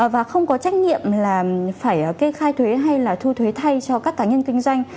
và không có trách nhiệm là phải kê khai thuế hay là thu thuế thay cho các cá nhân kinh doanh